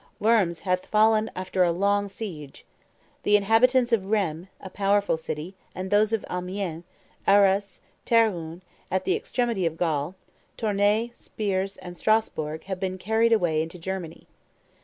Worms hath fallen after a long siege. The inhabitants of Rheims, a powerful city, and those of Amiens, Arras, Terouanne, at the extremity of Gaul, Tournay, Spires, and Strasburg have been carried away to Germany.